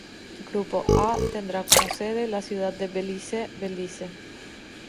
El grupo A tendrá como sede la Ciudad de Belice, Belice.